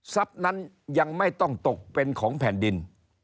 นั้นยังไม่ต้องตกเป็นของแผ่นดิน